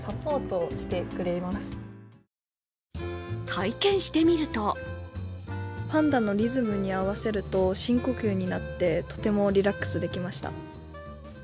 体験してみるとパンダのリズムに合わせると深呼吸になってとてもリラックスできました。